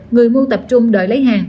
người mua tập trung đợi lấy hàng